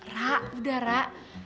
rah udah rah